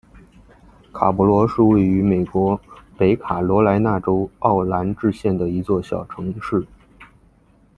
卡勃罗是位于美国北卡罗来纳州奥兰治县的一座小城市。